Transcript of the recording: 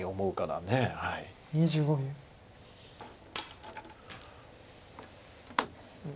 ２５秒。